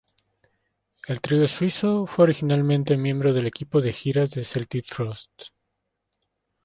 El trío suizo fue originalmente miembro del equipo de giras de Celtic Frost.